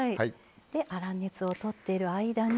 粗熱を取っている間に。